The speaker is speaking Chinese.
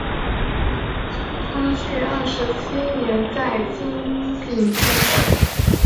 光绪二十七年在经岭病逝。